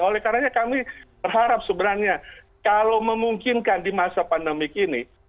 oleh karena kami berharap sebenarnya kalau memungkinkan di masa pandemik ini